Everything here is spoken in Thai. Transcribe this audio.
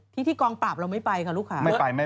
ที่ที่กองปราบเราไม่ไปค่ะลูกค้า